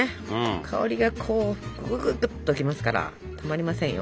香りがこうぐぐっと来ますからたまりませんよ。